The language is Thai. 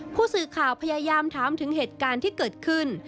ผู้สื่อข่าวพยายามถามถึงเหตุการณ์ที่เกิดขึ้น